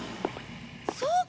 そうか！